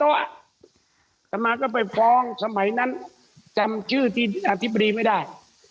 อาตมาก็ไปฟ้องสมัยนั้นจำชื่อที่อธิบดีไม่ได้